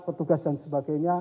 petugas dan sebagainya